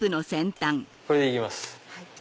これで行きます。